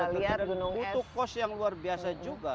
dan sudah terjadi butuh cost yang luar biasa juga